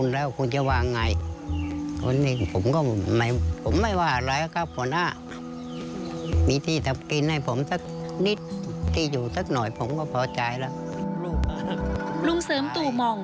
ลุงเสริมตู่มอง